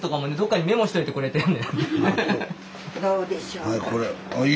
どうでしょうか。